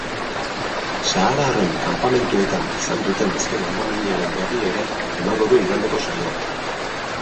Sahararren kanpamentuetan izan duten azken hondamendiaren berri ere emango du igandeko saioak.